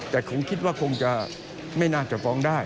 แต่คงคิดว่าคงจะไม่น่าจะฟ้องได้